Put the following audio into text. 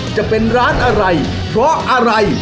จะเป็นร้านอะไรเพราะอะไร